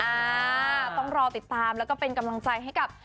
อ่าต้องรอติดตามแล้วก็เป็นกำลังใจให้กับ